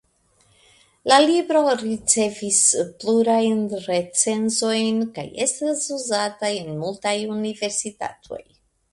La libro ricevis plurajn recenzojn kaj estas uzata en multaj universitatoj.